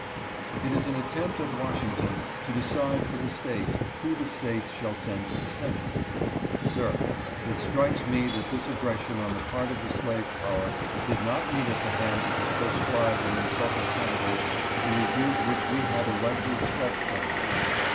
It is an attempt at Washington to decide for the States who the States shall send to the Senate. Sir, it strikes me that this aggress ion on the part of the slave power did not meet at the hands of the proscribed and insulted senators the rebuke which we had a right to expect from them.